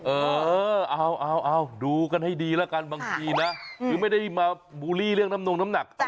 เออเอาดูกันให้ดีแล้วกันบางทีนะคือไม่ได้มาบูลลี่เรื่องน้ำนงน้ำหนัก